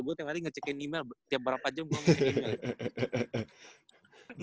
gua tiap hari ngecekin email tiap berapa jam gua nge email